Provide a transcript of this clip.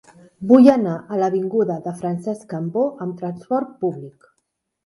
Vull anar a l'avinguda de Francesc Cambó amb trasport públic.